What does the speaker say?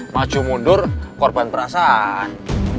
maju mundur korban perasaan